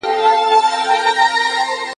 یاران به خوښ وي رقیب له خوار وي `